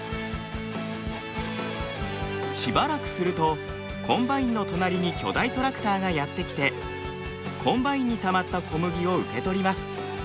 しばらくするとコンバインの隣に巨大トラクターがやって来てコンバインにたまった小麦を受け取ります。